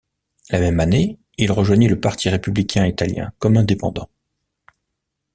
La même année, il rejoignit le Parti républicain italien, comme indépendant.